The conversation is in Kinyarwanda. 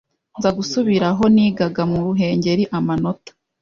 nza gusubira aho nigaga mu ruhengeri amanota